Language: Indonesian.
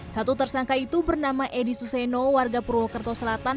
satu tersangka itu bernama edi suseno warga purwokerto selatan